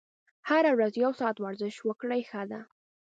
هره ورځ یو ساعت ورزش وکړئ ښه ده.